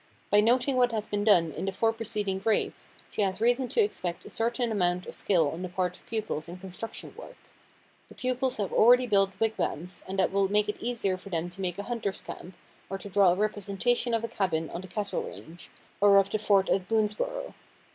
By noting what has been done in the four preceding grades, she has reason to expect a certain amount of skill on the part of pupils in construction work. The pupils have already built wigwams, and that will make it easier for them to make a hunter's camp, or to draw a representation of a cabin on the cattle range, or of the fort at Boonesborough.